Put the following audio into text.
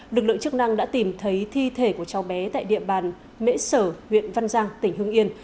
lực lượng chức năng đã tìm thấy thi thể của cháu bé tại địa bàn mễ sở huyện văn giang tỉnh hưng yên